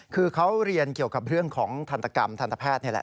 คือเขาเรียนเกี่ยวกับเรื่องของทันตกรรมทันตแพทย์นี่แหละ